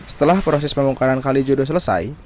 setelah proses pembangunan kali jodo selesai